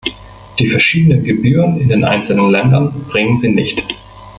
Die verschiedenen Gebühren in den einzelnen Ländern bringen sie nicht.